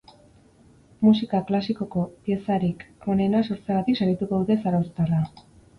Musika klasikoko piezarik onena sortzeagatik sarituko dute zarauztarra.